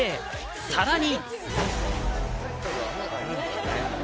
さらに。